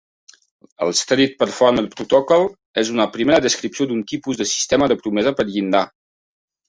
L'Street Performer Protocol és una primera descripció d'un tipus de sistema de promesa per llindar.